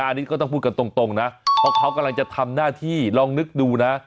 อันนี้ก็ต้องพูดกันตรงนะเพราะเขากำลังจะทำหน้าที่ลองนึกดูนะ